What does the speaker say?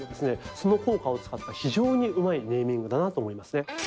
その効果を使った非常にうまいネーミングだなと思いますね。